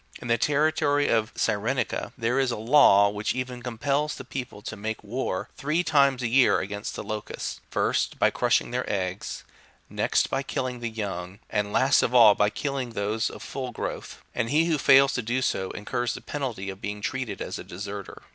In the territory of Cyrenaica 32 there is a law, which even compels the people to make war, three times a year, against the locusts, first, by crushing their eggs, next by kill ing the young, and last of all by killing those of full growth ; and he who fails to do so, incurs the penalty of being treated as a deserter.